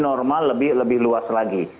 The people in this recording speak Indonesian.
normal lebih luas lagi